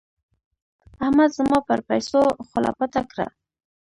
احمد زما پر پيسو خوله پټه کړه.